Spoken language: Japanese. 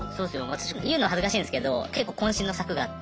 私言うの恥ずかしいんですけど結構渾身の作があって。